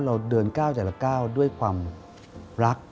เราเดินก้าวแต่ละก้าวด้วยความรัก